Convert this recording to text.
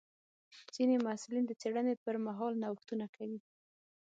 ځینې محصلین د څېړنې پر مهال نوښتونه کوي.